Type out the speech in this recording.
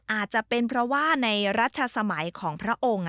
อาจจะเป็นเพราะว่าในรัชสมัยของพระองค์